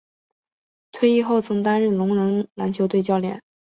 退役后曾担任聋人篮球队教练。